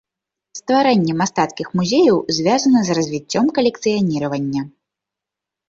Стварэнне мастацкіх музеяў звязана з развіццём калекцыяніравання.